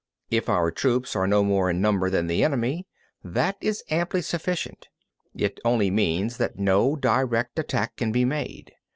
40. If our troops are no more in number than the enemy, that is amply sufficient; it only means that no direct attack can be made.